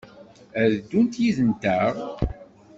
Ad d-ddunt yid-nteɣ?